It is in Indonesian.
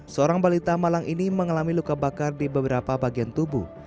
seorang balita malang ini mengalami luka bakar di beberapa bagian tubuh